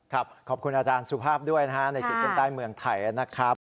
ครับขอบคุณอาจารย์สุภาพด้วยนะในศิลป์ใต้เมืองไทยนะครับ